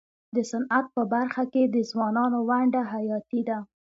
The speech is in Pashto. د صنعت په برخه کي د ځوانانو ونډه حیاتي ده.